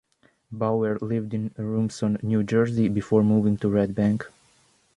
Bauer lived in Rumson, New Jersey before moving to Red Bank.